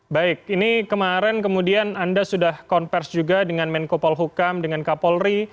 baik ini kemarin kemudian anda sudah konversi juga dengan menko polhukam dengan kapolri